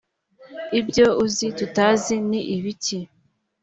ibyo uzi tutazi ni ibiki?